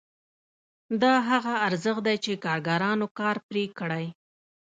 دا هغه ارزښت دی چې کارګرانو کار پرې کړی